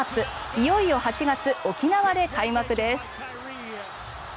いよいよ８月、沖縄で開幕です。